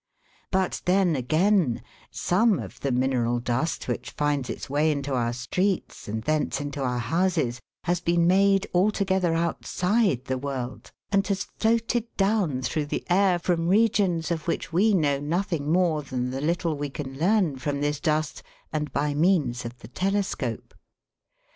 But then, again, some of the mineral dust which finds its way into our streets, and thence into our houses, has been made altogether outside the world, and has floated Fig. 2. MICROSCOPIC SECTION OF METEORIC STONE. down through the air from regions of which we know nothing more than the little we can learn from this dust and by means of the telescope.